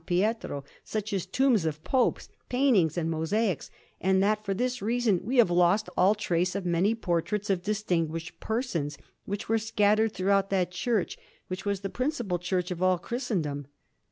Pietro, such as tombs of Popes, paintings, and mosaics, and that for this reason we have lost all trace of many portraits of distinguished persons, which were scattered throughout that church, which was the principal church of all Christendom.